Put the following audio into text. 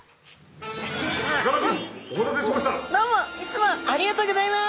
どうもいつもありがとうございます！